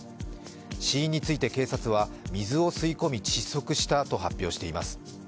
死因について警察は、水を吸い込み窒息したと発表しています。